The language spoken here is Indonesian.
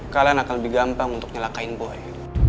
kalian akan lebih gampang untuk nyalahkain boy